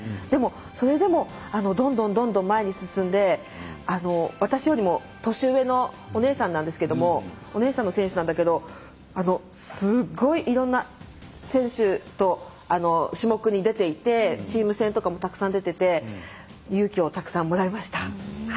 でも、それでもどんどん前に進んで、私よりも年上のお姉さんの選手なんだけどすごい、いろんな選手と種目に出ていてチーム戦とかも、たくさん出てて勇気をたくさんもらいました。